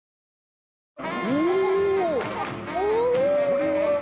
これは。